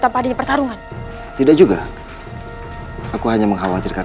tanpa adanya pertarungan tidak juga aku hanya mengkhawatirkan